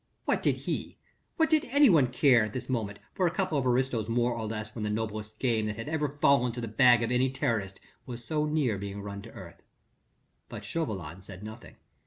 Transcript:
What did he, what did anyone care at this moment for a couple of aristos more or less when the noblest game that had ever fallen to the bag of any Terrorist was so near being run to earth? But Chauvelin said nothing.